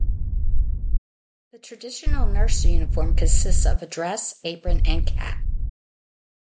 The traditional nurse uniform consists of a dress, apron and cap.